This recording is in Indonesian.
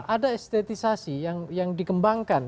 ada estetisasi yang dikembangkan